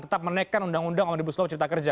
tetap menaikkan undang undang omnibus lawan cerita kerja